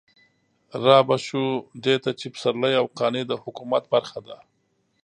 رابه شو دې ته چې پسرلي او قانع د حکومت برخه ده.